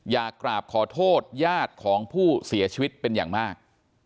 อยากกราบขอโทษญาติของผู้เสียชีวิตเป็นอย่างมาก